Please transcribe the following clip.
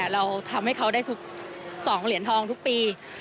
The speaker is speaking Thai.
เราทำให้เขาได้ทุก๒เหรียญทองทุกปี